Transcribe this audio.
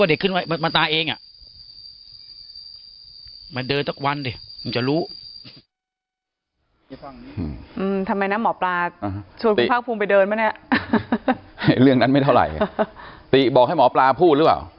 ว่าเด็กขึ้นไว้มาตายเองอ่ะมาเดินตั้งวันดิมันจะรู้